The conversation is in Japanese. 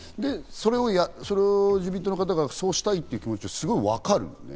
それを自民党の方がそうしたいという気持ち、わかる。